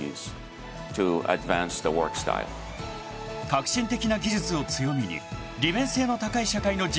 ［革新的な技術を強みに利便性の高い社会の実現を目指す］